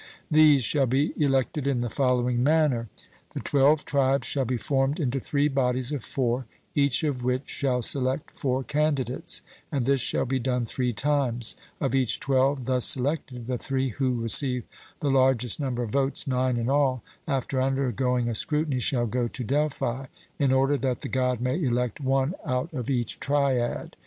These shall be elected in the following manner: The twelve tribes shall be formed into three bodies of four, each of which shall select four candidates, and this shall be done three times: of each twelve thus selected the three who receive the largest number of votes, nine in all, after undergoing a scrutiny shall go to Delphi, in order that the God may elect one out of each triad.